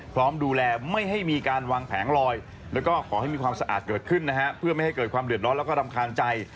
พร้อมดูแลไม่ให้มีการวางแผงลอยแล้วก็ขอให้มีความสะอาดเกิดขึ้นนะฮะเพื่อไม่ให้เกิดความเดือดร้อนแล้วก็รำคาญใจ